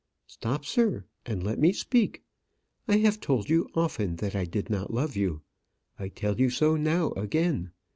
"Stop, sir, and let me speak. I have told you often that I did not love you. I tell you so now again.